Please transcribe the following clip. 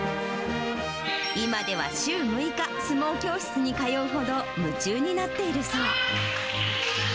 今では週６日、相撲教室に通うほど夢中になっているそう。